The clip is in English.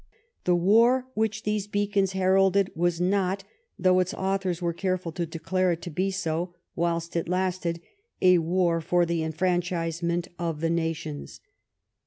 The war which those beacons heralded was not, though its authors were careful to declare it to be so whilst it lasted, a war for the enfranchisement of the nations.